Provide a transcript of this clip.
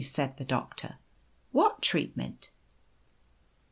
said the Doctor. ( What treat ment